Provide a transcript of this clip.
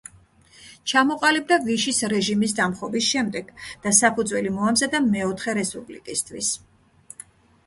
ჩამოყალიბდა ვიშის რეჟიმის დამხობის შემდეგ და საფუძველი მოამზადა მეოთხე რესპუბლიკისთვის.